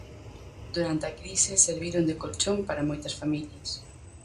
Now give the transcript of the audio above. Durante a crise serviron de colchón para moitas familias.